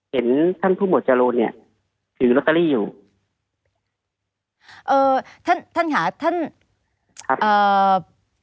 เห็นท่านผู้บทจโรนเนี้ยถือล็อตเตอรี่อยู่เอ่อท่านท่านหาท่านครับ